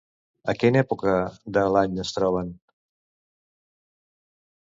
A quina època de l'any es troben?